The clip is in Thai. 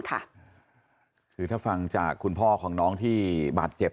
คือถ้าฟังจากคุณพ่อของน้องที่บาดเจ็บ